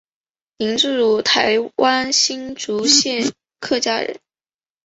林志儒台湾新竹县客家人。